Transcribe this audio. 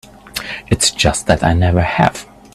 It's just that I never have.